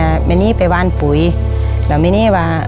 ผมก็เป็นเด็กในอนาคต